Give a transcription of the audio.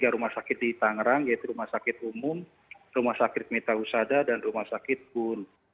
tiga rumah sakit di tangerang yaitu rumah sakit umum rumah sakit mita husada dan rumah sakit bun